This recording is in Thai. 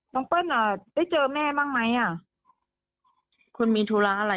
น้องเพลินน่ะได้เจอแม่บ้างไหมคุณมีธุระอะไร